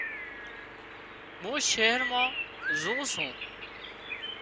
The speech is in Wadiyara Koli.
مُون شهر مان زون سُون